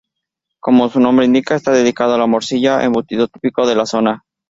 Como su nombre indica, está dedicado a la morcilla, embutido típico de la zona.